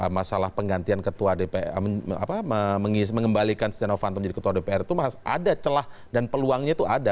masalah penggantian ketua dpr mengembalikan setia novanto menjadi ketua dpr itu ada celah dan peluangnya itu ada